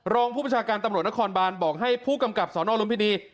รองผู้ประชาการตำรวจนครบานบอกให้ผู้กำกับสนลุมพินี